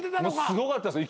すごかったです